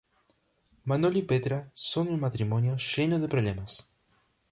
Manolo y Petra son un matrimonio lleno de problemas.